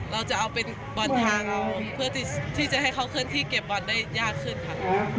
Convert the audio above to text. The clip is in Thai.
เราจะเอาเป็นบอลทางเราเพื่อที่จะให้เขาเคลื่อนที่เก็บบอลได้ยากขึ้นค่ะ